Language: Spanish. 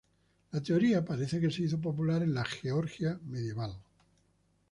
La teoría parece que se hizo popular en la Georgia medieval.